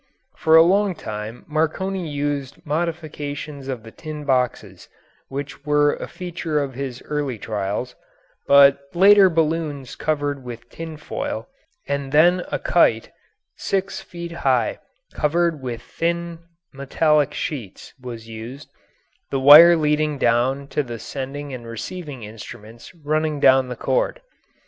For a long time Marconi used modifications of the tin boxes which were a feature of his early trials, but later balloons covered with tin foil, and then a kite six feet high, covered with thin metallic sheets, was used, the wire leading down to the sending and receiving instruments running down the cord.